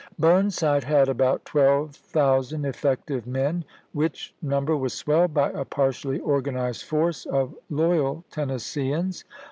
Burnside had about twelve thousand effective men, which number was swelled by a partially organized force of loyal Tennesseeans.